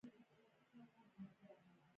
خو ریښې یې پر زبېښونکو بنسټونو استوارې دي.